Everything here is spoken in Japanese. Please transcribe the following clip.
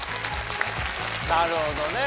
なるほどね。